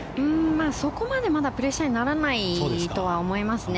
そこまでまだプレッシャーにならないとは思いますね。